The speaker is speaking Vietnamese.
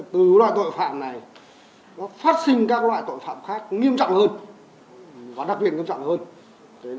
từ loại tội phạm này nó phát sinh các loại tội phạm khác nghiêm trọng hơn và đặc biệt nghiêm trọng hơn